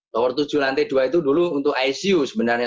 tower tujuh lantai dua itu dulu untuk icu sebenarnya